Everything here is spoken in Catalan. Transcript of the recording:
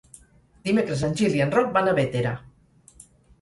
Dimecres en Gil i en Roc van a Bétera.